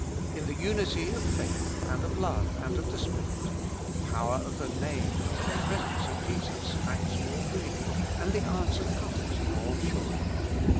In the unity of faith and of love and of the Spirit, the power of the Name and the Presence of Jesus acts more freely and the answer comes more surely.